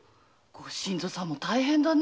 御新造さんも大変だね。